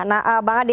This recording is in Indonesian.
nah bang ade